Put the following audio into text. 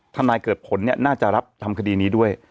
นายเกิดผลเนี่ยน่าจะรับทำคดีนี้ด้วย